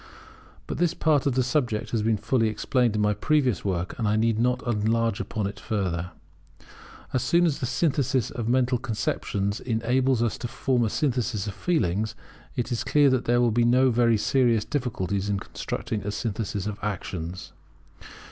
But this part of the subject has been fully explained in my previous work, and I need not enlarge upon it further. As soon as the synthesis of mental conceptions enables us to form a synthesis of feelings, it is clear that there will be no very serious difficulties in constructing a synthesis of actions.